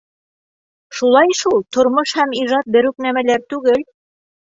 Шулай шул, тормош һәм ижад бер үк нәмәләр түгел.